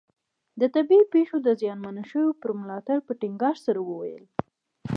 د طبیعي پېښو د زیانمنو شویو پر ملاتړ په ټینګار سره وویل.